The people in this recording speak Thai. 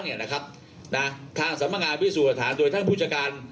เนี่ยนะครับน่ะทางสำงานวิทยุสุภาษณ์โดยท่านผู้จัดการ